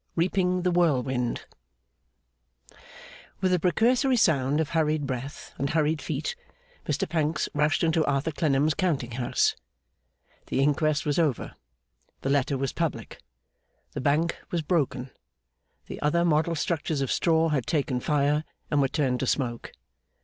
Reaping the Whirlwind With a precursory sound of hurried breath and hurried feet, Mr Pancks rushed into Arthur Clennam's Counting house. The Inquest was over, the letter was public, the Bank was broken, the other model structures of straw had taken fire and were turned to smoke.